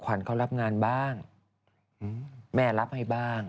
ขวัญเขารับงานบ้างแม่รับให้บ้าง